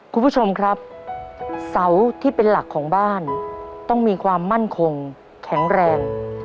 คุณผู้ชมครับเสาที่เป็นหลักของบ้านต้องมีความมั่นคงแข็งแรง